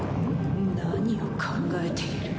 何を考えている。